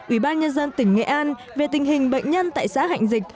ủy ban nhân dân tỉnh nghệ an về tình hình bệnh nhân tại xã hạnh dịch